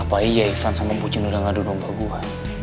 apa iya ivan sama pucin udah ngadu domba gue